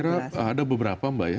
saya kira ada beberapa mbak ya